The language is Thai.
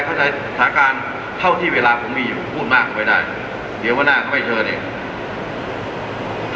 สถานการณ์เท่าที่เวลาผมมีผมพูดมากก็ไม่ได้เดี๋ยววันหน้าเขาไม่เชิญอีก